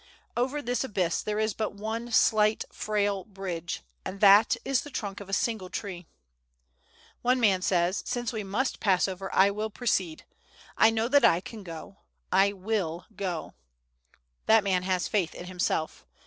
Over this abyss there is but one slight, frail bridge, and that is the trunk of a single tree. One man says, "Since we must pass over, I will precede. I know that I can go; I will go." That man has faith in himself.